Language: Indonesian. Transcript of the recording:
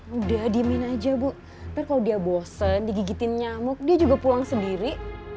udah diemin aja bu tapi kalau dia bosen digigitin nyamuk dia juga pulang sendiri